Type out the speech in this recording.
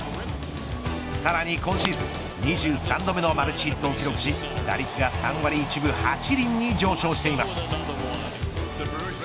さらに今シーズン２３度目のマルチヒットを記録し打率が３割１分８厘に上昇しています。